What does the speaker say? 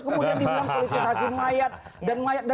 kemudian dibilang politisasi mayat